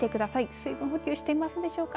水分補給していますでしょうか。